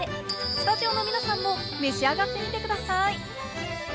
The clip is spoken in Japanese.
スタジオの皆さんも召し上がってみてください。